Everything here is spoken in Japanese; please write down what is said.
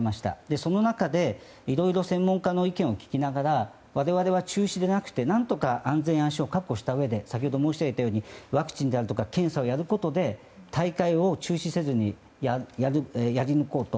その中でいろいろ専門家の意見を聞きながら我々は中止でなくて安心・安全を確保したうえで先ほど申し上げたようにワクチンであるとか検査をやることで大会を中止せずにやり抜こうと。